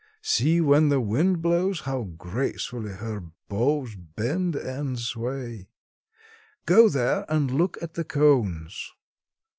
See when the wind blows how gracefully her boughs bend and sway. Go there and look at the cones."